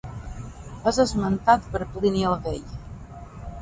És esmentat per Plini el Vell.